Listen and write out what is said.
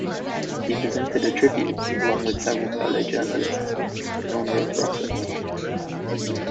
He presented a tribute, along with several fellow journalists, in honor of Russert.